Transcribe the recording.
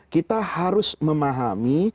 kita harus memahami